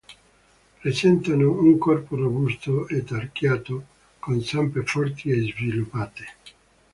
Presentano un corpo robusto e tarchiato, con zampe forti e sviluppate.